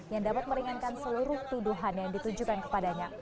yang dapat meringankan seluruh tuduhan yang ditujukan kepadanya